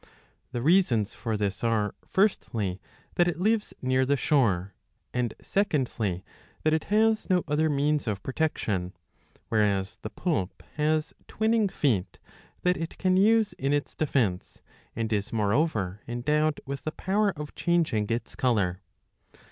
The reasons for this are, firstly, that it lives near the shore, and, secondly, that it has no other means of protection ; whereas the poulp has twining feet ^* that it can use in its defence, and is moreover endowed with the power of changing its colour.'